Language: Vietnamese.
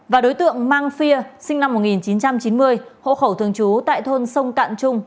và đối tượng mang phia sinh năm một nghìn chín trăm chín mươi hộ khẩu thường trú tại thôn sông cạn trung